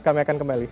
saya akan kembali